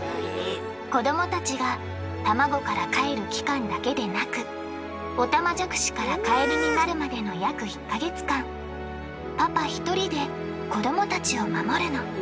子どもたちがタマゴからかえる期間だけでなくオタマジャクシからカエルになるまでの約１か月間パパひとりで子どもたちを守るの。